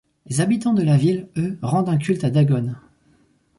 Les habitants de la ville, eux, rendent un culte à Dagon.